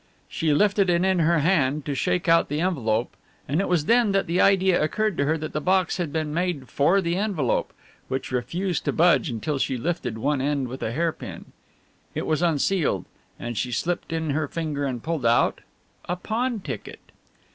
She lifted it in her hand to shake out the envelope and it was then that the idea occurred to her that the box had been made for the envelope, which refused to budge until she lifted one end with a hairpin. It was unsealed, and she slipped in her finger and pulled out a pawn ticket!